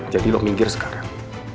jadi lo minggir sekarang